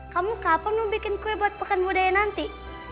kamu kapan mau bikin kue buat pekan budaya nanti